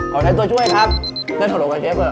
ขอใช้ตัวช่วยครับเจ้าตัวลงกับเชฟก็ได้